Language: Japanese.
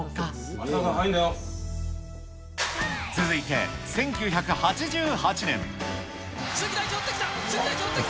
続いて１９８８年。